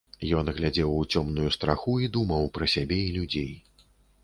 Ён глядзеў у цёмную страху і думаў пра сябе і людзей.